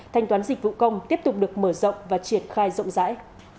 thanh toán dịch vụ công tiếp tục được mở rộng và triển khai rộng rãi